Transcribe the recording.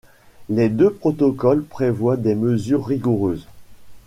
Les deux protocoles prévoient des mesures rigoureuses.